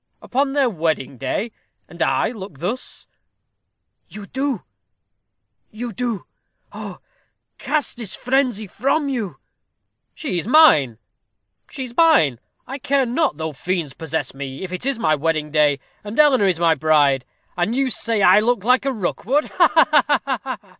'" "Upon their wedding day and I look thus?" "You do you do. Oh! cast this frenzy from you." "She is mine she is mine! I care not though fiends possess me, if it is my wedding day, and Eleanor is my bride. And you say I look like a Rookwood. Ha, ha!"